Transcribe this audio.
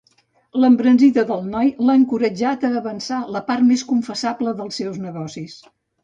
L'embranzida del noi l'ha encoratjat a avançar la part més confessable dels seus negocis.